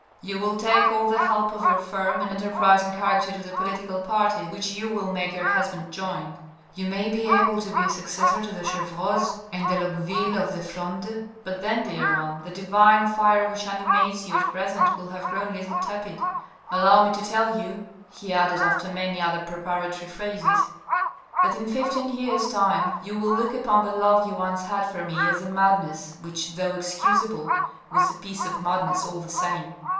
" You will take all the help of your firm and enterprising character to the political party which you will make your husband join. You may be able to be a successor to the Chevreuses and the Longuevilles of the Fronde — but then, dear one, the divine fire which animates you at present will have grown a little tepid. Allow me to tell you," he added, " after many other preparatory phrases, that in fifteen years' time you will look upon the love you once had for me as a madness, which though excusable, was a piece of madness all the same."